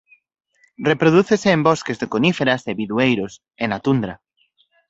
Reprodúcese en bosques de coníferas e bidueiros e na tundra.